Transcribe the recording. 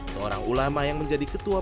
seorang ulama yang menjadi ketua